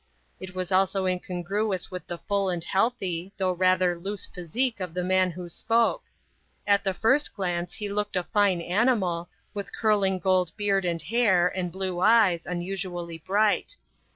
It was also incongruous with the full and healthy, though rather loose physique of the man who spoke. At the first glance he looked a fine animal, with curling gold beard and hair, and blue eyes, unusually bright.